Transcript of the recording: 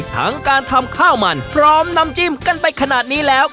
ทั้งการทำข้าวมันพร้อมน้ำจิ้มกันไปขนาดนี้แล้ว